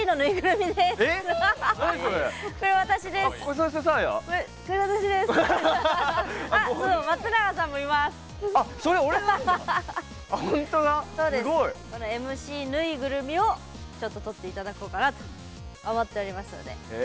ＭＣぬいぐるみを取っていただこうかなと思っておりますので。